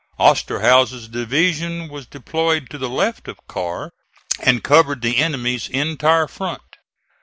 Osterhaus' division was deployed to the left of Carr and covered the enemy's entire front.